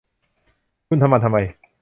คุณทำมันทำไม